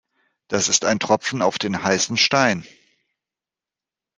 Das ist ein Tropfen auf den heißen Stein.